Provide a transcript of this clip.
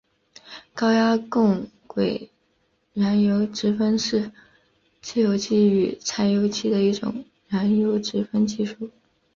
高压共轨燃油直喷是汽油机与柴油机的一种燃油直喷技术。